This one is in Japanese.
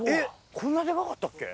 こんなデカかったっけ？